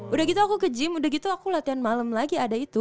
udah gitu aku ke gym udah gitu aku latihan malam lagi ada itu